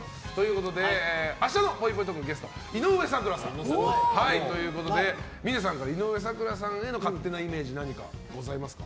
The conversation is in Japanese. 明日のぽいぽいトークのゲスト井上咲楽さんということで峰さんから井上咲楽さんへの勝手なイメージ何かございますか？